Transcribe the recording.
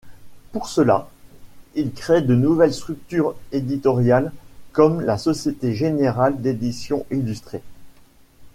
Pour cela, il crée de nouvelles structures éditoriales, comme la Société générale d'éditions illustrées.